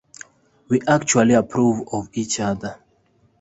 We actually approve of each other.